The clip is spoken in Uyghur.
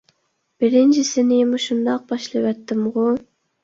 بىرىنچىسىنى مۇشۇنداق باشلىۋەتتىمغۇ!